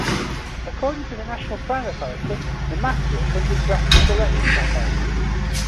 According to the National Crime Authority, the Mafia funded Grassby's election campaigns.